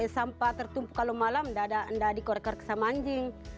kalau sampah tertumpu malam tidak dikorek korek sama anjing